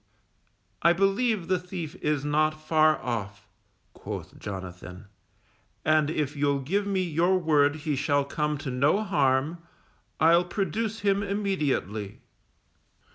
I believe the thief is not far off_, quoth Jonathan, _and if you'll give me your word he shall come to no harm, I'll produce him immediately.